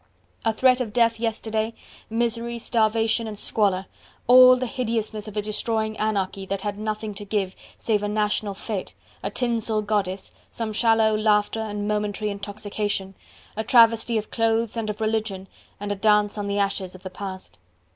A threat of death yesterday, misery, starvation and squalor! all the hideousness of a destroying anarchy, that had nothing to give save a national fete, a tinsel goddess, some shallow laughter and momentary intoxication, a travesty of clothes and of religion and a dance on the ashes of the past.